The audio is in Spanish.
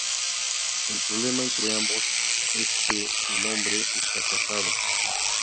El problema entre ambos es que el hombre está casado.